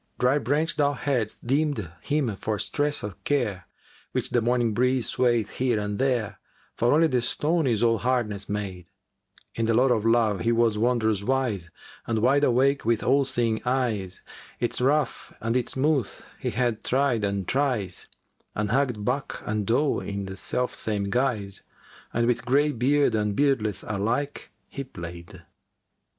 [FN#385] Dry branch thou hadst deemed him for stress o' care, * Which the morning breeze swayeth here and there, For only the stone is all hardness made! In the lore of Love he was wondrous wise * And wide awake with all seeing eyes. Its rough and its smooth he had tried and tries * And hugged buck and doe in the self same guise And with greybeard and beardless alike he play'd."